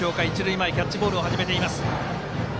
前、キャッチボールを始めています。